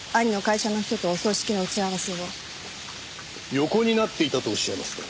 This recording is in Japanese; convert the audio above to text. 横になっていたとおっしゃいますと？